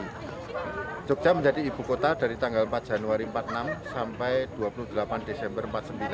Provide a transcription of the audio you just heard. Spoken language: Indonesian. yogyakarta menjadi ibu kota dari tanggal empat januari seribu sembilan ratus empat puluh enam sampai dua puluh delapan desember seribu sembilan ratus empat puluh lima